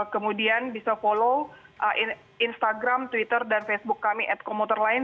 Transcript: kemudian bisa follow instagram twitter dan facebook kami at komuter lain